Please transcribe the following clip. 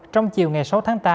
trong chiều ngày sáu tháng tám